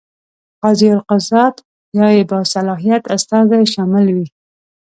قاضي القضات یا یې باصلاحیت استازی شامل وي.